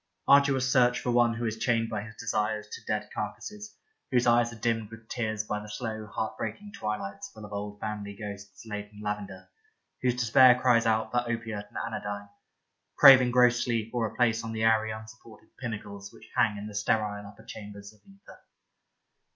Arduous search for one who is chained by his desires to dead car cases, whose eyes are dimmed with tears by the slow heart breaking twilights full of old family ghosts laid in lavender, whose despair cries out for opiate and anodyne, craving gross sleep or a place on the airy unsupported pinnacles which hang in the sterile upper chambers of ether.